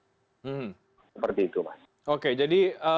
seperti itu mas oke jadi